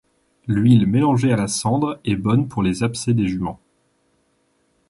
L'huile mélangée à la cendre est bonne pour les abcès des juments.